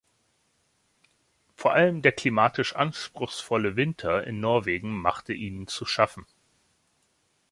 Vor allem der klimatisch anspruchsvolle Winter in Norwegen machte ihnen zu schaffen.